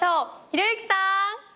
ひろゆきさーん！